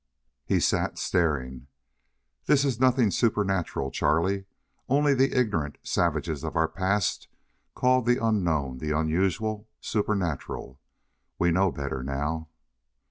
He sat staring. "This is nothing supernatural, Charlie. Only the ignorant savages of our past called the unknown the unusual supernatural. We know better now."